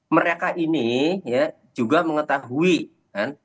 mereka ini ya juga mengetahui kan